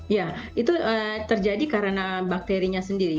ya itu terjadi karena bakterinya sendiri